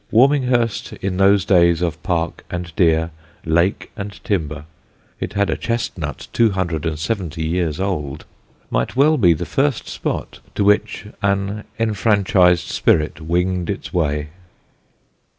Warminghurst in those days of park and deer, lake and timber (it had a chestnut two hundred and seventy years old), might well be the first spot to which an enfranchised spirit winged its way.